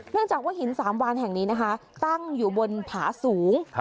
จากว่าหินสามวานแห่งนี้นะคะตั้งอยู่บนผาสูง